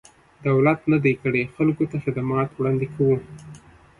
دولت نه دی کړی، خلکو ته خدمات وړاندې کوو.